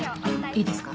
いいですか？